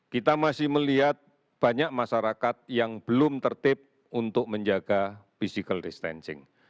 kita masih melihat banyak masyarakat yang belum tertib untuk menjaga physical distancing